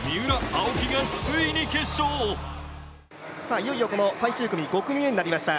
いよいよ最終組、５組目になりました。